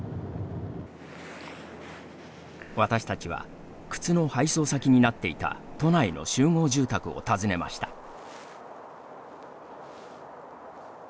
私たちは靴の配送先になっていた都内の集合住宅を訪ねました。